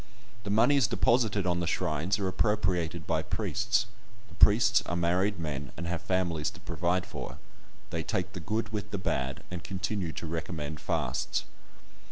The moneys deposited upon the shrines are appropriated by priests; the priests are married men, and have families to provide for; they "take the good with the bad," and continue to recommend fasts.